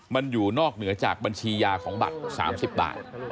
มันอยู่นอกเหนือจากบัญชียาของบัตร๓๐บาท